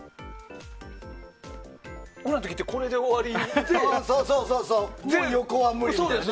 俺の時は、これで終わり。